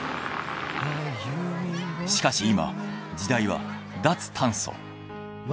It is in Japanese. しかし今時代は脱炭素。